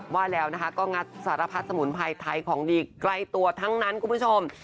ว่าแล้วนะคะก็งัดสารพัดสมุนไพรไทยของดีใกล้ตัวทั้งนั้นคุณผู้ชม